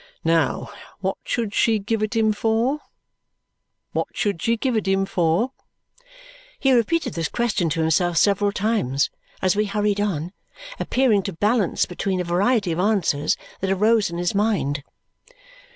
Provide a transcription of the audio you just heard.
Now, what should she give it him for? What should she give it him for?" He repeated this question to himself several times as we hurried on, appearing to balance between a variety of answers that arose in his mind.